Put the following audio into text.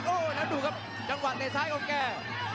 โอ้โหแล้วดูครับจังหวะเตะซ้ายของแก